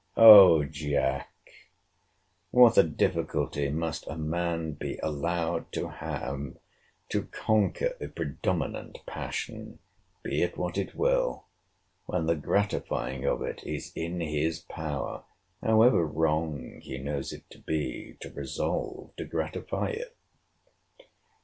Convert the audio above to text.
O Jack! what a difficulty must a man be allowed to have to conquer a predominant passion, be it what it will, when the gratifying of it is in his power, however wrong he knows it to be to resolve to gratify it!